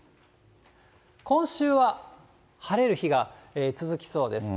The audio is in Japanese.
今週は晴れる日が続きそうです。